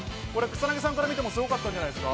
草薙さんから見ても、すごかったんじゃないですか？